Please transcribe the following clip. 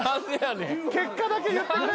結果だけ言ってくれ。